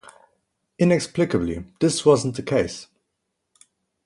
Inexplicably, this wasn't the case.